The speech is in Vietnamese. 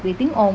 bị tiếng ồn